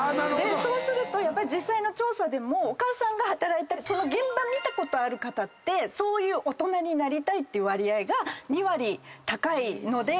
そうすると実際の調査でもお母さんが働いてるその現場見たことある方ってそういう大人になりたいっていう割合が２割高いので。